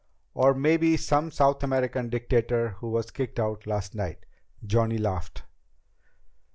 "Or maybe some South American dictator who was kicked out last night." Johnny laughed.